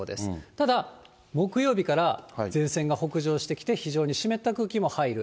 ただ、木曜日から前線が北上してきて、非常に湿った空気も入る。